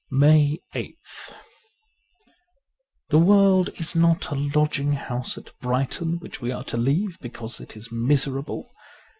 139 MAY 8th THE world is not a lodging house at Brighton, which we are to leave because it is miserable.